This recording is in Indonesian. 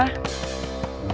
hattau tuh umpet